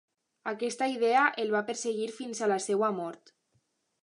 Aquesta idea el va perseguir fins a la seva mort.